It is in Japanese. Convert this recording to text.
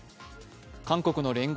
韓国の聯合